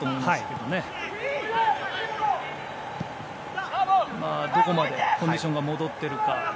どこまでコンディションが戻っているか。